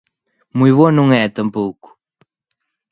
Moi boa non é, tampouco.